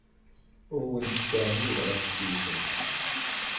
Ur awent-ttɛemmideɣ ad tkeyyfemt.